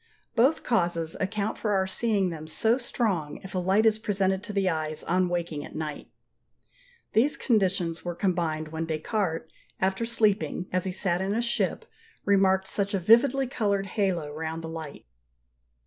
Both causes account for our seeing them so strong if a light is presented to the eyes on waking at night. These conditions were combined when Descartes after sleeping, as he sat in a ship, remarked such a vividly coloured halo round the light.